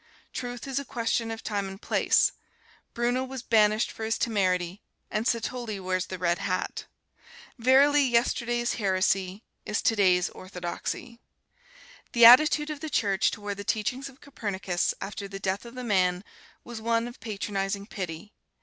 Truth is a question of time and place. Bruno was banished for his temerity, and Satolli wears the red hat. Verily, yesterday's heresy is today's orthodoxy. The attitude of the Church toward the teachings of Copernicus, after the death of the man, was one of patronizing pity.